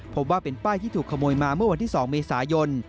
พบว่าเป็นป้ายที่ถูกขโมยมาเมื่อวันที่๒เมษายน